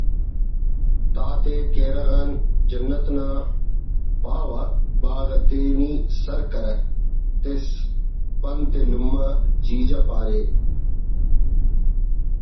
تاتے کیرغ آن جنت نا پاوہ باغا تینے نی سرکرک تس پنت لمہ جیجا پارے